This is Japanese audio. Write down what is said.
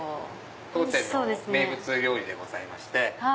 当店の名物料理でございまして。